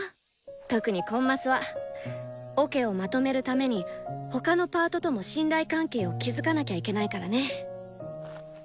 特にコンマスはオケをまとめるために他のパートとも信頼関係を築かなきゃいけないからね。